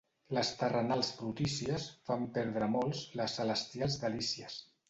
Les terrenals brutícies fan perdre a molts les celestials delícies.